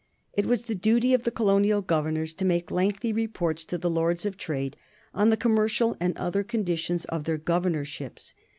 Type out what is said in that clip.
It was the duty of the colonial governors to make lengthy reports to the Lords of Trade on the commercial and other conditions of their governorships.